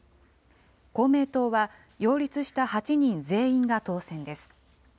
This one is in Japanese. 公明党は擁立した８人全員が当選です。